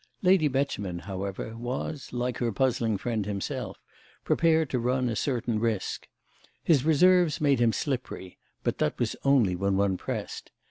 Lady Beauchemin, however, was, like her puzzling friend himself, prepared to run a certain risk. His reserves made him slippery, but that was only when one pressed.